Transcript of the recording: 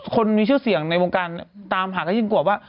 คนมีชื่อเสียงในวงการตามหาก็ยิ่งกลัวว่า